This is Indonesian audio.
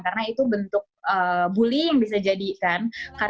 karena itu bentuk bullying yang bisa jadikan